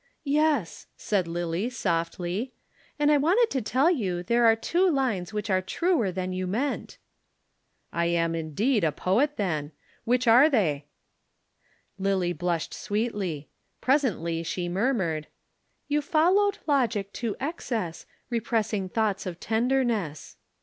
"Yes," said Lillie softly. "And I wanted to tell you there are two lines which are truer than you meant." "I am indeed, a poet, then! Which are they?" Lillie blushed sweetly. Presently she murmured, "'You followed logic to excess, Repressing thoughts of tenderness.'